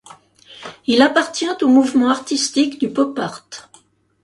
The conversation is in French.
Il appartient au mouvement artistique du pop art.